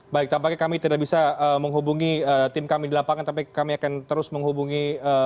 baik tampaknya kami tidak bisa menghubungi tim kami di lapangan tapi kami akan terus menghubungi